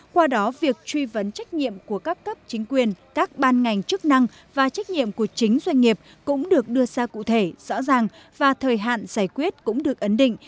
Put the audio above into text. qua đó việc truy vấn trách nhiệm của các cấp chính quyền các ban ngành chức năng và trách nhiệm của chính doanh nghiệp cũng được đưa ra cụ thể rõ ràng và thời hạn giải quyết cũng được ấn định